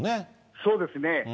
そうですね。